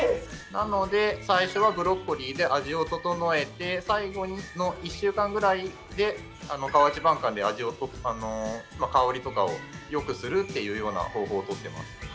なので最初はブロッコリーで味を整えて最後の１週間ぐらいで河内晩柑で味を香りとかをよくするっていうような方法をとっています。